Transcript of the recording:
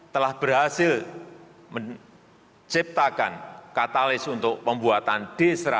telah berhasil menciptakan katalis untuk pembuatan d seratus